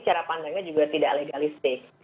cara pandangnya juga tidak legalistik